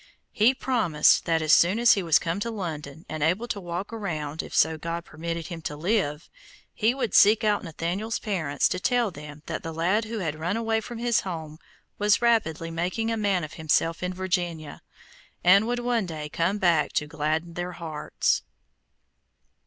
He promised that as soon as he was come to London, and able to walk around, if so be God permitted him to live, he would seek out Nathaniel's parents to tell them that the lad who had run away from his home was rapidly making a man of himself in Virginia, and would one day come back to gladden their hearts.